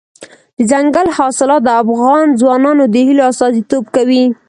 دځنګل حاصلات د افغان ځوانانو د هیلو استازیتوب کوي.